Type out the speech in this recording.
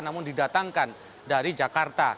namun didatangkan dari jakarta